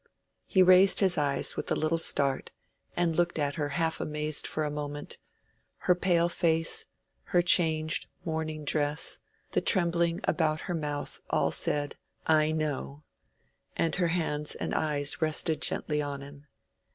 He raised his eyes with a little start and looked at her half amazed for a moment: her pale face, her changed, mourning dress, the trembling about her mouth, all said, "I know;" and her hands and eyes rested gently on him.